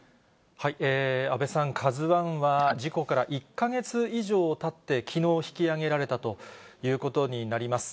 安倍さん、ＫＡＺＵＩは事故から１か月以上たって、きのう引き揚げられたということになります。